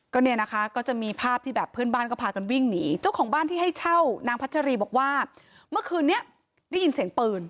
ก็เนี่ยนะคะก็จะมีภาพที่แบบเพื่อนบ้านก็พากันวิ่งหนีเจ้าของบ้านที่ให้เช่านางพัชรีบอกว่าเมื่อคืนนี้ได้ยินเสียงปืน